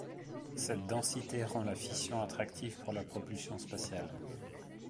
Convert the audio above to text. Cette densité rend la fission attractive pour la propulsion spatiale.